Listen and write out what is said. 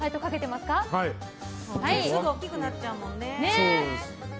すぐ大きくなっちゃうもんね。